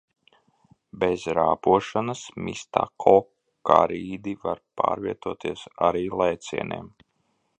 Bez rāpošanas mistakokarīdi var pārvietoties arī lēcieniem.